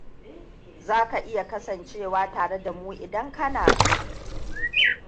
Zaka iya kasancewa tare da mu idan kana so.